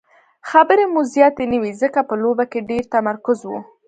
خبرې مو زیاتې نه وې ځکه په لوبه کې ډېر تمرکز وو.